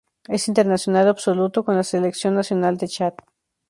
Es internacional absoluto con la selección nacional de Chad.